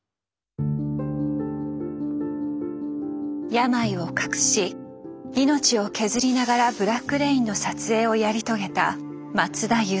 病を隠し命を削りながら「ブラック・レイン」の撮影をやり遂げた松田優作。